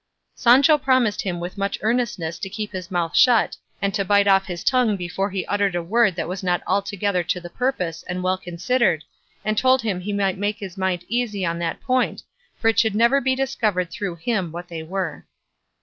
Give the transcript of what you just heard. Sancho promised him with much earnestness to keep his mouth shut, and to bite off his tongue before he uttered a word that was not altogether to the purpose and well considered, and told him he might make his mind easy on that point, for it should never be discovered through him what they were.